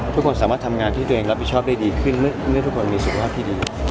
ทุกคนสามารถทำงานที่ตัวเองรับผิดชอบได้ดีขึ้นเมื่อทุกคนมีสุขภาพที่ดี